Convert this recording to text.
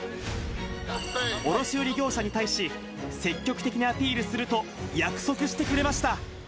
卸売業者に対し、積極的にアピールすると約束してくれました。